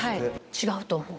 違うと思う。